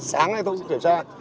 sáng nay tôi cũng kiểm soát được